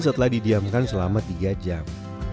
setelah didiamkan selama tiga jam